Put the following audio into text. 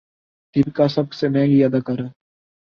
دپیکا سب سے مہنگی اداکارہ